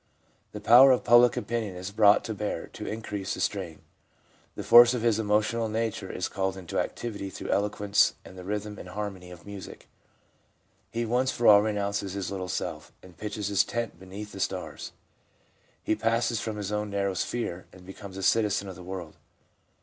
The power of public opinion is brought to bear to increase the strain. The force of his emotional nature is called into activity through eloquence and the rhythm and harmony of music. He once for all re nounces his little self, and pitches his tent beneath the stars. He passes from his own narrow sphere, and becomes a citizen of the world.